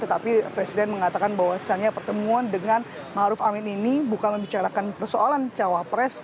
tetapi presiden mengatakan bahwasannya pertemuan dengan ⁇ maruf ⁇ amin ini bukan membicarakan persoalan cawapres